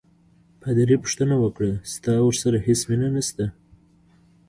پادري پوښتنه وکړه: ستا ورسره هیڅ مینه نشته؟